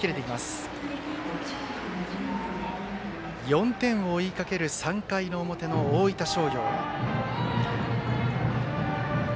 ４点を追いかける３回の表、大分商業。